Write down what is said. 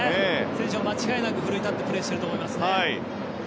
選手も間違いなく奮い立ってプレーしていると思います。